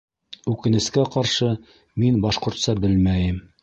Үкенескә ҡаршы, мин башҡортса белмәйем.